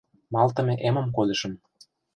Малтыме эмым кодышым.